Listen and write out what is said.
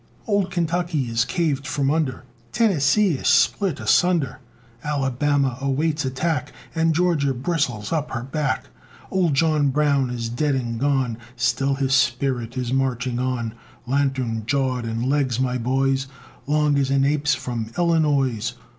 Old Kentucky is caved from under, Tennessee is split asunder, Alabama awaits attack, And Georgia bristles up her back. Old John Brown is dead and gone! Still his spirit is marching on, Lantern jawed, and legs, my boys, Long as an ape's from Illinois!